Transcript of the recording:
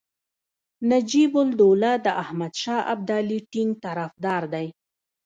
نجیب الدوله د احمدشاه ابدالي ټینګ طرفدار دی.